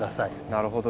なるほど。